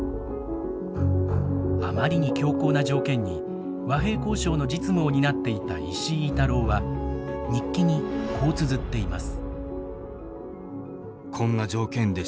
あまりに強硬な条件に和平交渉の実務を担っていた石射猪太郎は日記にこうつづっています。